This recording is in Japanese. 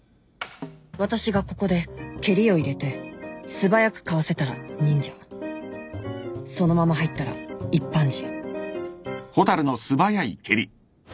私がここで蹴りを入れて素早くかわせたら忍者そのまま入ったら一般人